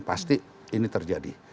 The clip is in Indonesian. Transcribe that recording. pasti ini terjadi